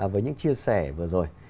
với những chia sẻ vừa rồi